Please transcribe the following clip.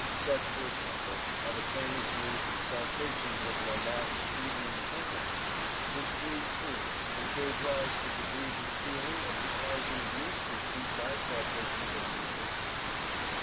Such, for example, are the famous new saltations of Lamarck's evening primrose (Oenothera lamarckiana) , which breed true and gave rise to De Vries's theory of the origin of new species by saltations or mutations.